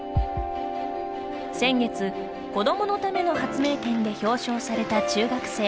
先月、子どものための発明展で表彰された中学生